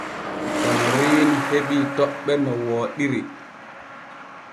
Onoriini heɓii toɓɓe no wooɗiri.